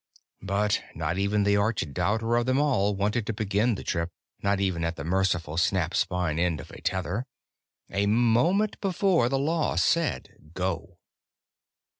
But not even the arch doubter of them all wanted to begin the trip not even at the merciful snap spine end of a tether a moment before the law said, Go.